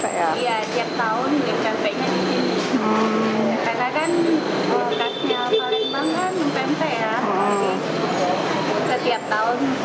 karena kan khasnya palembang kan pempek ya jadi setiap tahun pasti bawa pempek